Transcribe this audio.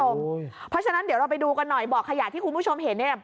เพราะฉะนั้นเดี๋ยวเราไปดูกันหน่อยบ่อขยะที่คุณผู้ชมเห็นเนี่ย